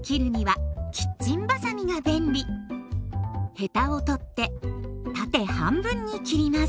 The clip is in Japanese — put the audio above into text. ヘタを取って縦半分に切ります。